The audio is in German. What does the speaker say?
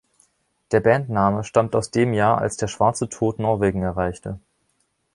Der Bandname stammt aus dem Jahr, als der Schwarze Tod Norwegen erreichte.